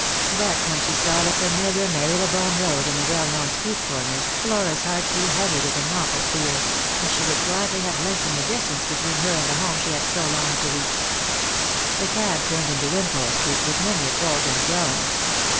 But when she saw the familiar Marylebone road and the well known street corners, Flora's heart grew heavy with an awful fear, and she would gladly have lengthened the distance be tween her and the home she had so longed to reach. The cab turned into Wimpole street with many a jolt and groan.